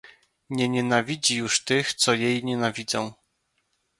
"Nie nienawidzi już tych, co jej nienawidzą."